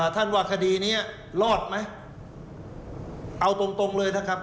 ท่านว่าคดีนี้รอดไหมเอาตรงตรงเลยนะครับ